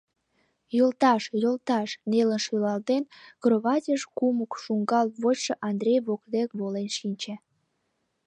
— Йолташ, йолташ... — нелын шӱлалтен, кроватьыш кумык шуҥгалт вочшо Андрей воктек волен шинче.